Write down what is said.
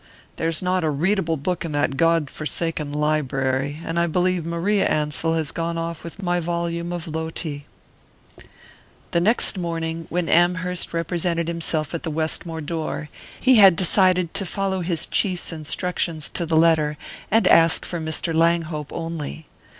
There's not a readable book in that God forsaken library, and I believe Maria Ansell has gone off with my volume of Loti." The next morning, when Amherst presented himself at the Westmore door, he had decided to follow his chief's instructions to the letter, and ask for Mr. Langhope only.